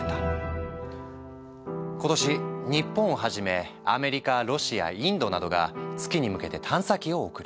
今年日本をはじめアメリカロシアインドなどが月に向けて探査機を送る。